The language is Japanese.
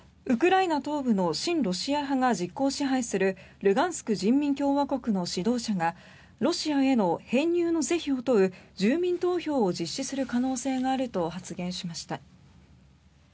ウクライナ東部の親ロシア派が実効支配するルガンスク人民共和国の指導者がロシアへの編入の是非を問う住民投票を実施する可能性があると発言しました。